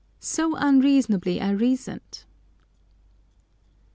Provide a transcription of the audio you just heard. So unreasonably I reasoned!